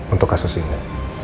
untuk kasus ini